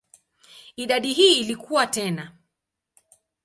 Idadi hii ilikua tena.